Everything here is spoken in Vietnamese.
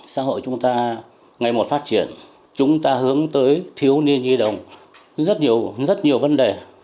xã hội chúng ta ngày một phát triển chúng ta hướng tới thiếu niên di động rất nhiều vấn đề